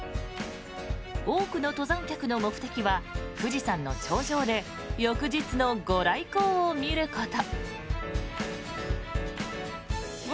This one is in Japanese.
多くの登山客の目的は富士山の頂上で翌日のご来光を見ること。